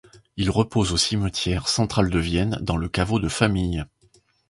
Il repose au cimetière central de Vienne dans le caveau de famille.